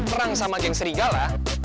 berang sama geng serigala